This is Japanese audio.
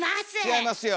違いますよ。